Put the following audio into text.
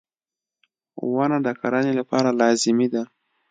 • ونه د کرنې لپاره لازمي ده.